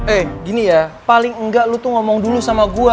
eh gini ya paling enggak lu tuh ngomong dulu sama gue